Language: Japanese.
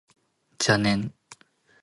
邪念